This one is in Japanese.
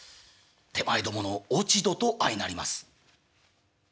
「手前どもの落ち度と相なります」。